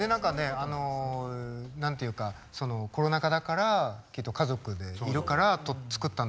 あの何て言うかコロナ禍だからきっと家族でいるから作ったんだと思う曲を。